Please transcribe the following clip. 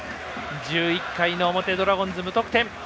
１１回の表、ドラゴンズ無得点。